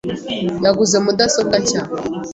Yaguze mudasobwa nshya .